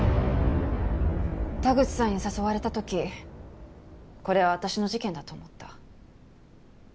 田口さんに誘われた時これは私の事件だと思った。